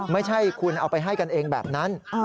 ไม่ใช่คุณเอาไปให้กันเองแบบนั้น